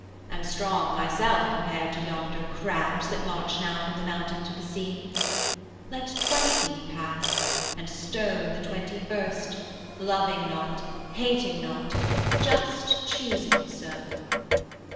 'Am strong myself compared to yonder crabs 100 That march now from the mountain to the sea; 'Let twenty pass, and stone the twenty first, Loving not, hating not, just choosing so.